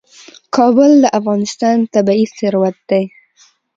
کابل د افغانستان طبعي ثروت دی.